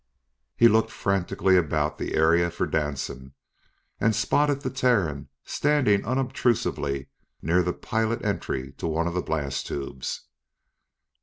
He looked frantically about the area for Danson and spotted the Terran standing unobtrusively near the pilot entry to one of the blast tubes.